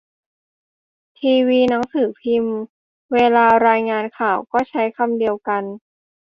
ทีวีหนังสือพิมพ์เวลารายงานข่าวก็ใช้คำเดียวกัน